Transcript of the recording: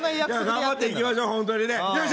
頑張っていきましょう、ホントにね。